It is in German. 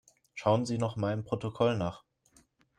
Schauen Sie noch mal im Protokoll nach.